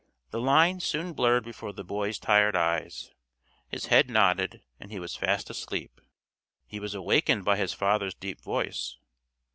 The lines soon blurred before the boy's tired eyes, his head nodded, and he was fast asleep. He was awakened by his father's deep voice.